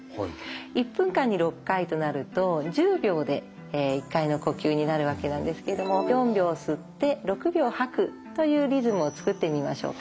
１分間に６回となると１０秒で１回の呼吸になるわけなんですけども４秒吸って６秒吐くというリズムをつくってみましょうか。